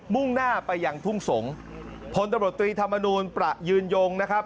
่งหน้าไปยังทุ่งสงศ์พลตำรวจตรีธรรมนูลประยืนยงนะครับ